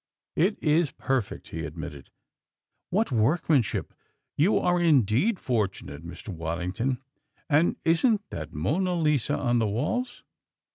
"It is perfect," he admitted. "What workmanship! You are indeed fortunate, Mr. Waddington. And isn't that Mona Lisa on the walls?